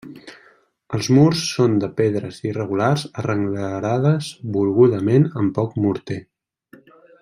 Els murs són de pedres irregulars arrenglerades volgudament amb poc morter.